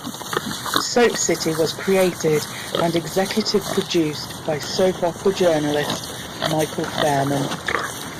SoapCity was created and executive produced by soap opera journalist Michael Fairman.